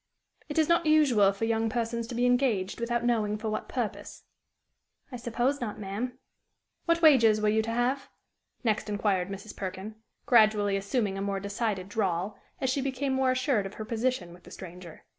"It is not usual for young persons to be engaged without knowing for what purpose." "I suppose not, ma'am." "What wages were you to have?" next inquired Mrs. Perkin, gradually assuming a more decided drawl as she became more assured of her position with the stranger.